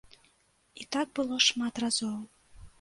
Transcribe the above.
І так было шмат разоў.